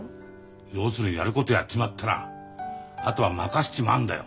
要するにやることやっちまったらあとは任せちまうんだよ